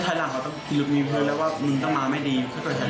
เพราะโทรศัพท์หนูเห็นแล้วทางตาไม่เห็นนู่ไม่เอา